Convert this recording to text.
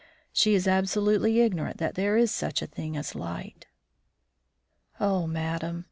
She is absolutely ignorant that there is such a thing as light." "Oh, madame!"